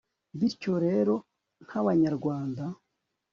bityo rero nk'abanyarwanda